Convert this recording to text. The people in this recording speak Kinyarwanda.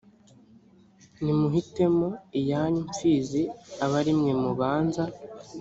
nimuhitemo iyanyu mpfizi abe ari mwe mubanza